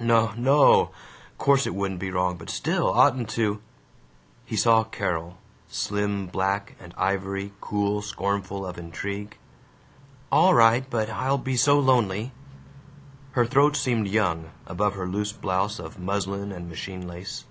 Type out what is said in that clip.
"No, no, course it wouldn't be wrong. But still, oughtn't to " He saw Carol, slim black and ivory, cool, scornful of intrigue. "All right. But I'll be so lonely." Her throat seemed young, above her loose blouse of muslin and machine lace.